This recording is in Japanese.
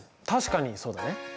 確かにそうだね。